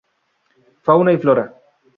Fauna y Flora.